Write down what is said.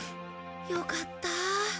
よかった。